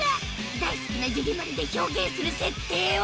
大好きなジュディマリで表現する設定は？